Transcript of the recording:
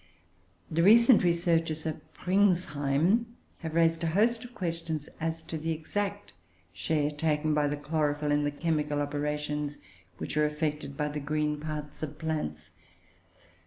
] [Footnote 4: The recent researches of Pringsheim have raised a host of questions as to the exact share taken by chlorophyll in the chemical operations which are effected by the green parts of plants.